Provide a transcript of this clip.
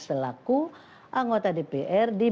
selaku anggota dpr